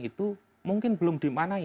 itu mungkin belum dimanahi